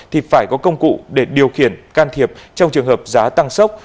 thì phải có công cụ để điều khiển can thiệp trong trường hợp giá tăng sốc